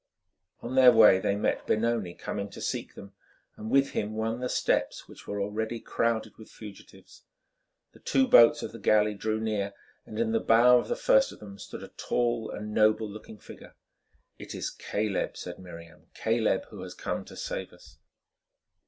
On their way they met Benoni coming to seek them, and with him won the steps which were already crowded with fugitives. The two boats of the galley drew near and in the bow of the first of them stood a tall and noble looking figure. "It is Caleb," said Miriam, "Caleb who has come to save us."